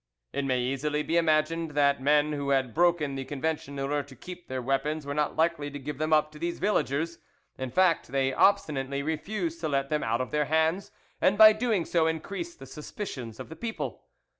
It may easily be imagined that men who had broken the convention in order to keep their weapons were not likely to give them up to these villagers—in fact, they obstinately refused to let them out of their hands, and by doing so increased the suspicions of the people.